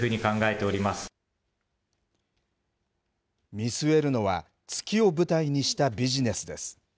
見据えるのは、月を舞台にしたビジネスです。